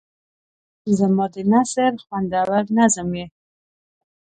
• ته زما د نثر خوندور نظم یې.